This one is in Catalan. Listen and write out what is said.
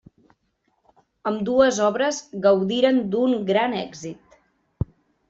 Ambdues obres gaudiren d'un gran èxit.